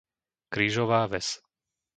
Krížová Ves